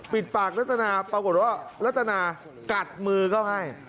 ปิดปากรัตนาปรากฏว่ารัตนากัดมือเขาให้